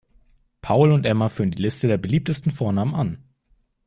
Paul und Emma führen die Liste der beliebtesten Vornamen an.